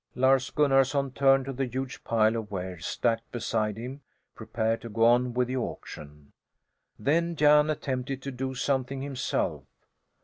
Lars Gunnarson turned to the huge pile of wares stacked beside him, prepared to go on with the auction. Then Jan attempted to do something himself.